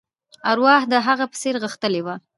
ارواح د هغه په څېر غښتلې وه.